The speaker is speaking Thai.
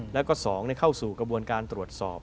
แล้วก็๒เข้าสู่กระบวนการตรวจสอบ